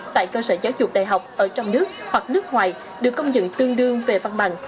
tại cơ sở giáo dục đại học ở trong nước hoặc nước ngoài được công nhận tương đương về văn bằng